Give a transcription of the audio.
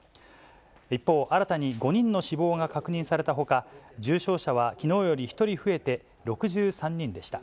一方、新たに５人の死亡が確認されたほか、重症者はきのうより１人増えて６３人でした。